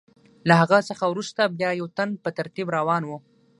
له هغه څخه وروسته بیا یو تن په ترتیب روان و.